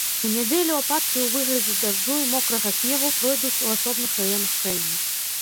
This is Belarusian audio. У нядзелю ападкі ў выглядзе дажджу і мокрага снегу пройдуць у асобных раёнах краіны.